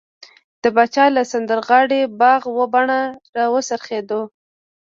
د پاچا له سمندرغاړې باغ و بڼه راوڅرخېدو.